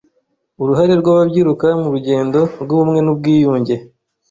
Uruhare rw ababyiruka mu rugendo rw ubumwe n ubwiyunge